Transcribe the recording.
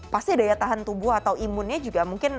pasti daya tahan tubuh atau imunnya juga mungkin